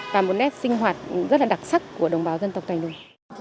và một nét sinh hoạt rất là đặc sắc của đồng bào dân tộc miền núi